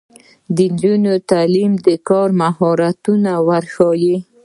د نجونو تعلیم د کار مهارتونه ورښيي.